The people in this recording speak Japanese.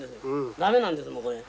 慣れなんですもうこれ。